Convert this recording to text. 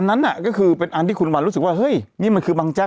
นั่นน่ะก็คือเป็นอันที่คุณวันรู้สึกว่าเฮ้ยนี่มันคือบางแจ๊